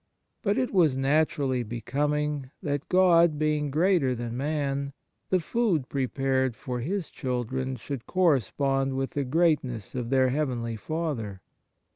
But it was naturally becoming that, God being greater than man, the food prepared for His children should correspond with the greatness of their heavenly Father.